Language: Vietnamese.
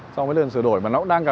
xong mới lên sửa đổi mà nó cũng đang